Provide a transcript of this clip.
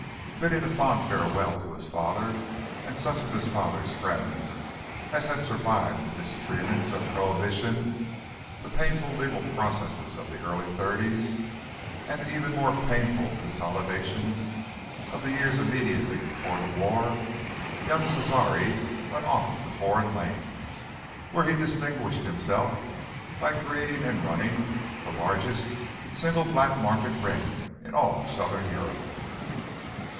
Bidding a fond farewell to his father and such of his father's friends as had survived the disagreements of Prohibition, the painful legal processes of the early Thirties and the even more painful consolidations of the years immediately before the war, young Cesare went off to foreign lands, where he distinguished himself by creating and running the largest single black market ring in all of Southern Europe.